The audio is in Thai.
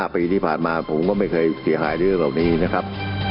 ปีที่ผ่านมาผมก็ไม่เคยเสียหายเรื่องเหล่านี้นะครับ